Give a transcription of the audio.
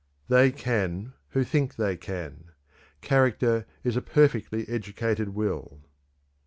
"They can who think they can. Character is a perfectly educated will."